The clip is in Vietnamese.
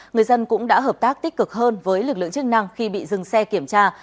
người dân cũng đã hợp tác tích cực hơn với lực lượng chức năng khi bị dừng xe kiểm tra